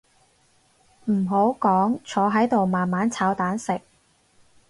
唔好講坐喺度慢慢炒蛋食